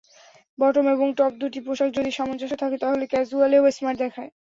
Bottom এবং টপ—দুটি পোশাকে যদি সামঞ্জস্য থাকে, তাহলে ক্যাজুয়ালেও স্মার্ট দেখায়।